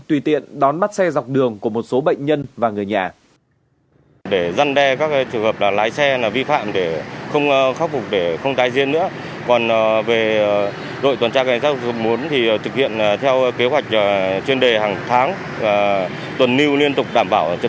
tùy tiện đón bắt xe dọc đường của một số bệnh nhân và người nhà